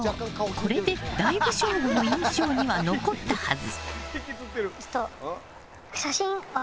これで、だいぶ省吾の印象には残ったはず。